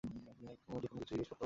তুমি যেকোনো কিছু জিজ্ঞেস করতে পারো।